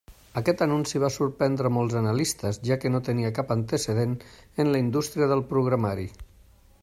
Aquest anunci va sorprendre molts analistes, ja que no tenia cap antecedent en la indústria del programari.